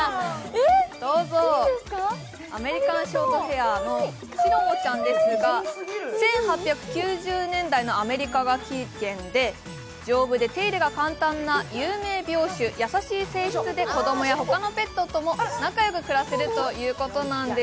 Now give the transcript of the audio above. アメリカン・ショートヘアのしろもちゃんですが１８９０年代のアメリカが起源で丈夫で手入れが簡単な有名猫種、子供や他のペットとも仲よく暮らせるということなんです。